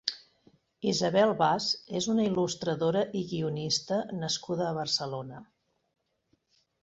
Isabel Bas és una il·lustradora i guionista nascuda a Barcelona.